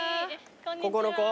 ここの子？